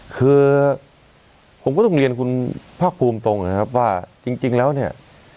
คือผมก็ต้องเรียนคุณภาคภูมิตรงนะครับว่าจริงแล้วเนี่ย